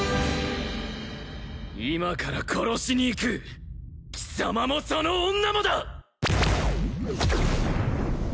今から殺しに行く貴様もその女もだ！